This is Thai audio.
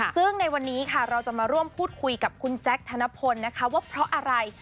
ซึ่งในวันนี้ค่ะเราจะมาร่วมพูดคุยกับคุณแจ๊คธนพลนะคะว่าเพราะอะไร